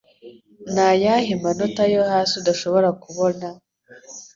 Ni ayahe manota yo hasi udashobora kubona